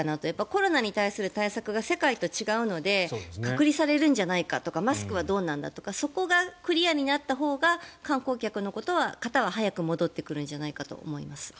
コロナに対する対策が世界と違うので隔離されるんじゃないかとかマスクはどうなんだとかそこがクリアになったほうが観光客の方は早く戻ってくるんじゃないかと思います。